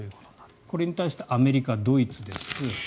これに対してアメリカ、ドイツです。